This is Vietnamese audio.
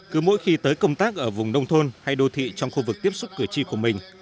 cứ mỗi khi tới công tác ở vùng nông thôn hay đô thị trong khu vực tiếp xúc cử tri của mình